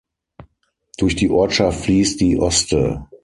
Durch die Ortschaft fließt die Oste.